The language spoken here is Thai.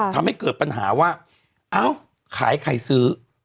ทำให้เกิดปัญหาว่าเอ้าขายใครซื้อ